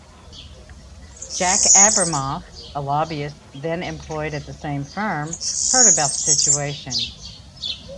Jack Abramoff, a lobbyist then employed at the same firm, heard about the situation.